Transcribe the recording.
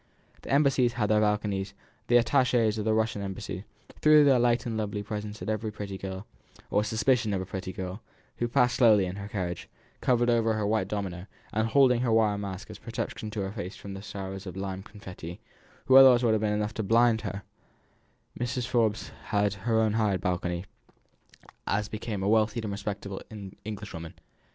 The embassies had their balconies; the attaches of the Russian Embassy threw their light and lovely presents at every pretty girl, or suspicion of a pretty girl, who passed slowly in her carriage, covered over with her white domino, and holding her wire mask as a protection to her face from the showers of lime confetti, which otherwise would have been enough to blind her; Mrs. Forbes had her own hired balcony, as became a wealthy and respectable Englishwoman.